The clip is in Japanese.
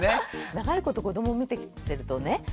長いこと子ども見てきてるとね